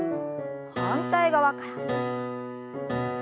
反対側から。